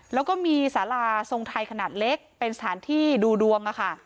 แล้วก็มีสาราทรงไทยขนาดเล็กเป็นสถานที่ดูดวง